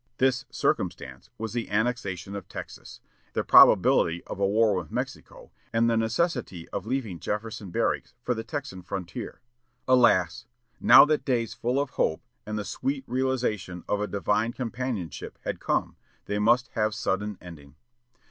This "circumstance" was the annexation of Texas, the probability of a war with Mexico, and the necessity of leaving Jefferson Barracks for the Texan frontier. Alas! now that days full of hope, and the sweet realization of a divine companionship had come, they must have sudden ending.